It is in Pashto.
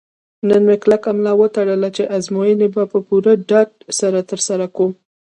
نن مې کلکه ملا وتړله چې ازموینې به په پوره ډاډ سره ترسره کوم.